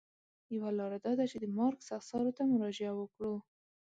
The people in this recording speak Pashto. یوه لاره دا ده چې د مارکس اثارو ته مراجعه وکړو.